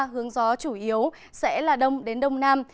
hướng gió chủ yếu sẽ là đông đến đông nam